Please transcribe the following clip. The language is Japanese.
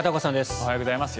おはようございます。